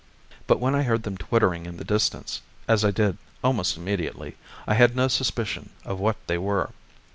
But when I heard them twittering in the distance, as I did almost immediately, I had no suspicion of what they were.